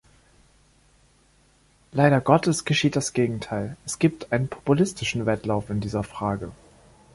Leider Gottes geschieht das Gegenteil, es gibt einen populistischen Wettlauf in dieser Frage.